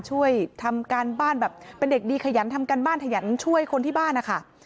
ช่วยทำการบ้านแบบเป็นเด็กดีขยันทำการบ้านขยันช่วยคนที่บ้านนะคะ